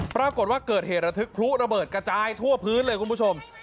ปรากฏว่าเกิดเหตุระทึกพลุระเบิดกระจายทั่วพื้นเลยคุณผู้ชม